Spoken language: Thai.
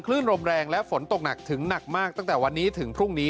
ลมแรงและฝนตกหนักถึงหนักมากตั้งแต่วันนี้ถึงพรุ่งนี้